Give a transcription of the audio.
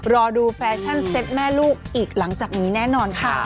รอดูแฟชั่นเซ็ตแม่ลูกอีกหลังจากนี้แน่นอนค่ะ